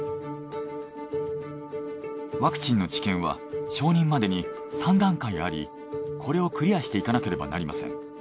ワクチンの治験は承認までに３段階ありこれをクリアしていかなければなりません。